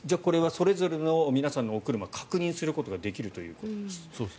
それぞれの皆さんのお車確認することができるということです。